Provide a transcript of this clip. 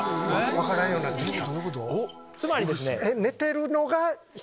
分からんようになってきた。